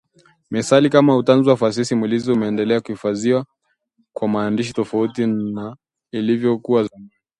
methali kama utanzu wa fasihi simulizi umendelea kuhifadhiwa kwa maandishi tofauti na ilivyokuwa zamani